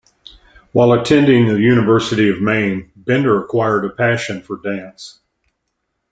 While attending U-Maine, Bender acquired a passion for dance.